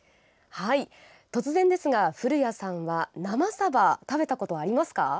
突然ですが、古谷さんは生サバ食べたことはありますか？